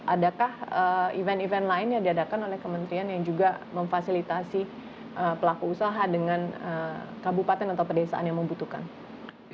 adakah event event lain yang diadakan oleh kementerian yang juga memfasilitasi pelaku usaha dengan kabupaten atau pedesaan yang membutuhkan